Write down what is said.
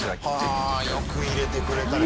はぁ、よく入れてくれたね。